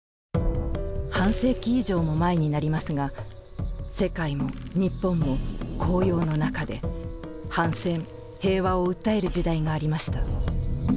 半世紀以上も前になりますが世界も日本も高揚の中で反戦平和を訴える時代がありました。